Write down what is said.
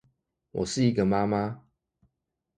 我是一個媽媽